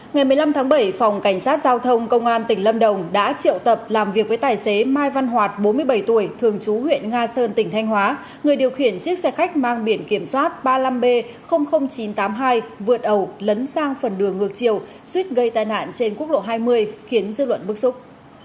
ngày một mươi năm tháng bảy phòng cảnh sát giao thông công an tỉnh lâm đồng đã triệu tập làm việc với tài xế mai văn hoạt bốn mươi bảy tuổi thường chú huyện nga sơn tỉnh thanh hóa người điều khiển chiếc xe khách mang biển kiểm soát ba mươi năm b chín trăm tám mươi hai vượt ẩu lấn sang phần đường ngược chiều suýt gây tai nạn trên quốc lộ hai mươi khiến dư luận bức xúc